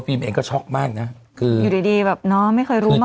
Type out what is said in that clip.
ฟิล์มเองก็ช็อคมากน่ะคืออยู่ดีแบบน่ะไม่เคยรู้มา